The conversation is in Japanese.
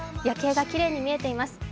夜景がきれいに見えています